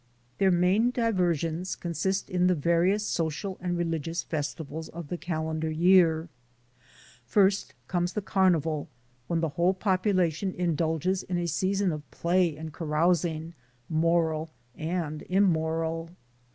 Their main diversions consist in the various social and religious festivals of the calendar year. First comes the Carnival, when the whole population in dulges in a season of play and carousing, moral and immoral.